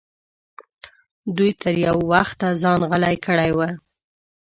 دوی تر یو وخته ځان غلی کړی و.